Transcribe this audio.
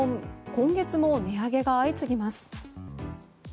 今月も値上げが相次ぎます。